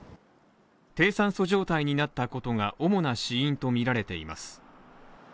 低酸素状態になったことが主な死因とみられています。